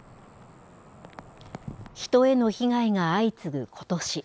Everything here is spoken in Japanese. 人への被害が相次ぐことし。